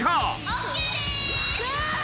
ＯＫです。